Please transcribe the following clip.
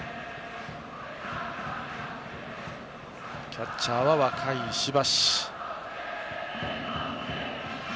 キャッチャーは若い石橋。